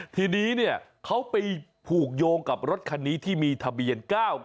ทีนี้เนี่ยเขาไปผูกโยงกับรถคันนี้ที่มีทะเบียน๙๙